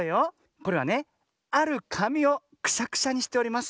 これはねあるかみをクシャクシャにしております。